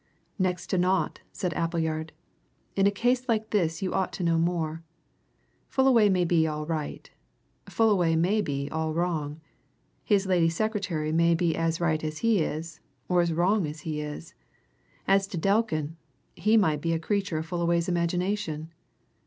"Next to naught," said Appleyard. "In a case like this you ought to know more. Fullaway may be all right. Fullaway may be all wrong. His lady secretary may be as right as he is, or as wrong as he is. As to Delkin he might be a creature of Fullaway's imagination.